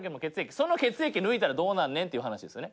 その血液抜いたらどうなんねんっていう話ですね。